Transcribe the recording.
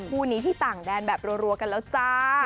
คู่นี้ที่ต่างแดนแบบรัวกันแล้วจ้า